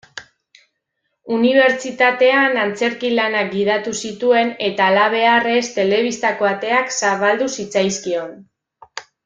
Unibertsitatean antzerki-lanak gidatu zituen eta halabeharrez telebistako ateak zabaldu zitzaizkion.